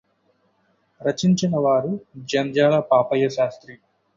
రచించినవారు Jandhyala Papayya Sastry